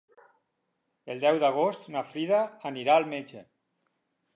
El deu d'agost na Frida anirà al metge.